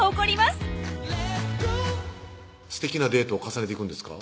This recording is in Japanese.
すてきなデートを重ねていくんですか？